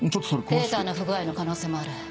データの不具合の可能性もある。